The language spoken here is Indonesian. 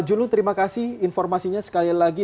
juno terima kasih informasinya sekali lagi